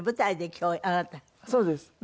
そうです。